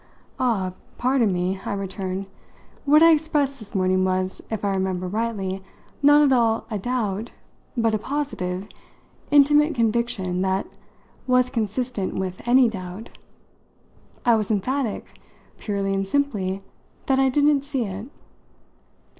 "Ah, pardon me," I returned; "what I expressed this morning was, if I remember rightly, not at all a 'doubt,' but a positive, intimate conviction that was inconsistent with any doubt. I was emphatic purely and simply that I didn't see it."